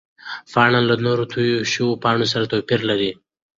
پاڼه له نورو تویو شوو پاڼو سره توپیر لري.